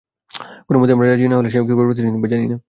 কোনোমতেই না আমরা রাজি না হলে সে কীভাবে প্রতিশোধ নিবে জানি না।